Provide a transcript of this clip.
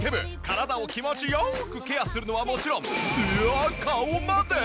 体を気持ちよくケアするのはもちろんえっ顔まで！？